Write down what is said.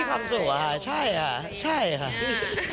ความสุขอะค่ะใช่ค่ะใช่ค่ะ